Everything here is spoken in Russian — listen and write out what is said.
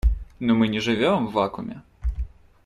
Но мы не живем в вакууме.